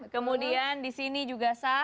kemudian di sini juga sah